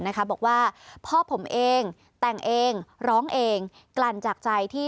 นะคะบอกว่าพ่อผมเองแต่งเองร้องเองกลั่นจากใจที่